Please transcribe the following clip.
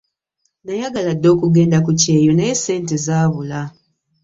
Nayagala dda okugenda ku kyeyo naye ssente zaabula.